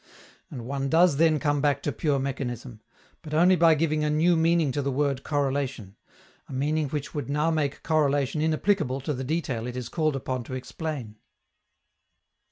And one does then come back to pure mechanism, but only by giving a new meaning to the word "correlation" a meaning which would now make correlation inapplicable to the detail it is called upon to explain.